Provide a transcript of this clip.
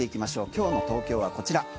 今日の東京はこちら。